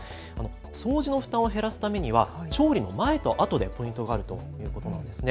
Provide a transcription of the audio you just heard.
掃除の負担を減らすためには調理の前とあとでポイントがあるということなんです。